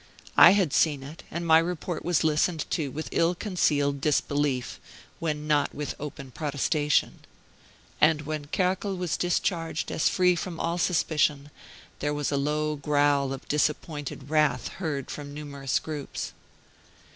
I had seen it, and my report was listened to with ill concealed disbelief, when not with open protestation. And when Kerkel was discharged as free from all suspicion, there was a low growl of disappointed wrath heard from numerous groups.